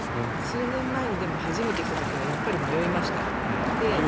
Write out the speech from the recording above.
数年前に初めて来た時にはやっぱり迷いました。